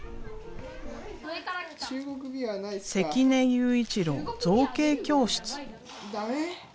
関根悠一郎造形教室。